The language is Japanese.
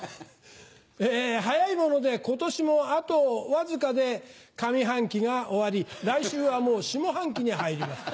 早いもので今年もあとわずかで上半期が終わり来週はもう下半期に入ります。